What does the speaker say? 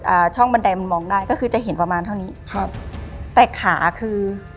อ่าช่องบันไดมันมองได้ก็คือจะเห็นประมาณเท่านี้ครับแต่ขาคือ